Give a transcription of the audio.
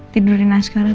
tidurin aja sekarang